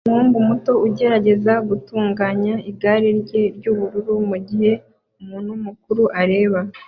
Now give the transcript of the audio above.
Umuhungu muto ugerageza gutunganya igare rye ry'ubururu mugihe umuntu mukuru areba